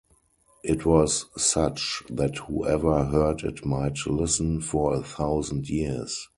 It was such that whoever heard it might listen for a thousand years.